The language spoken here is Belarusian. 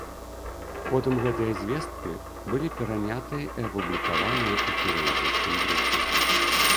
Потым гэтыя звесткі былі перанятыя і апублікаваныя ў пэрыядычным друку.